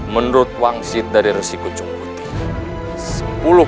menurut wangsit dari resi kunjung putih